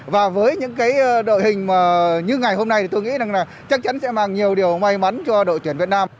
và với những đội hình như ngày hôm nay tôi nghĩ chắc chắn sẽ mang nhiều điều may mắn cho đội tuyển việt nam